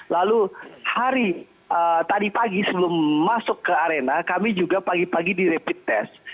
lalu hari tadi pagi sebelum masuk ke arena kami juga pagi pagi di rapid test